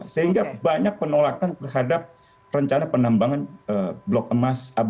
sehingga banyak penolakan terhadap rencana penambangan blok emas